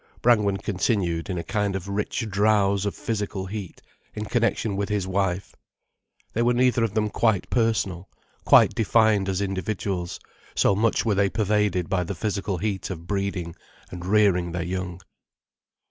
Brangwen continued in a kind of rich drowse of physical heat, in connection with his wife. They were neither of them quite personal, quite defined as individuals, so much were they pervaded by the physical heat of breeding and rearing their young.